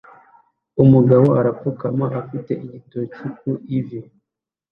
Umugabo arapfukama afite igitoki ku ivi